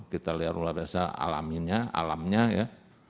kita lihat luar biasa alaminya alamnya ya